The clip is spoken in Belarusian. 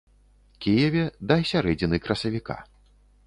Кіеве да сярэдзіны красавіка.